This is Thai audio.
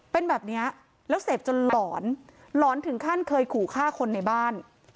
เป็นแบบนี้แล้วเสพจนหลอนหลอนถึงขั้นเคยขู่ฆ่าคนในบ้าน